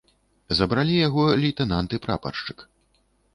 Забралі яго лейтэнант і прапаршчык.